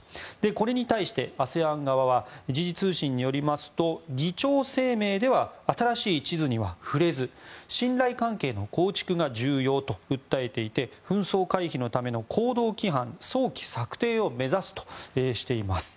これに対して、ＡＳＥＡＮ側は時事通信によりますと議長声明では新しい地図には触れず信頼関係の構築が重要と訴えていて紛争回避のための行動規範早期策定を目指すとしています。